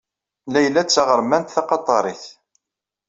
Layla d taɣermant taqaṭarit.